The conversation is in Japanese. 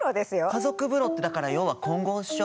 家族風呂ってだから要は混合っしょ？